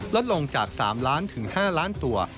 ลดลงจาก๓ล้านถึง๕ล้านตัว